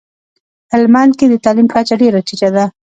هلمندکي دتعلیم کچه ډیره ټیټه ده